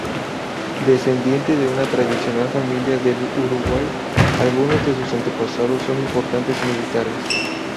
Descendiente de una tradicional familia del Uruguay, algunos de sus antepasados son importantes militares.